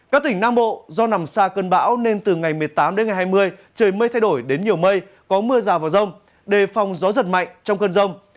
các tỉnh nam bộ do nằm xa cơn bão nên từ ngày một mươi tám đến ngày hai mươi trời mây thay đổi đến nhiều mây có mưa rào và rông đề phòng gió giật mạnh trong cơn rông